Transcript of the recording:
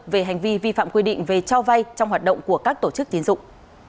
về hành vi vi phạm quy định về cho vay trong hoạt động của các tổ chức tiến dụng